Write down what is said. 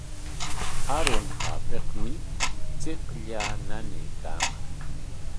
Arunqaapikmi chiqllaa nanaykaaman.